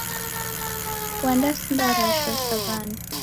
Wadasinda rashwa sa w'ana.